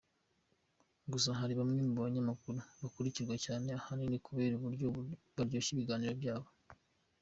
Gusa, hari bamwe mu banyamakuru bakurikirwa cyane ahanini kubera uburyo baryoshya ibiganiro byabo.